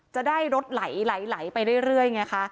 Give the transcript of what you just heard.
จะได้รถไหลไปเรื่อยไงคะ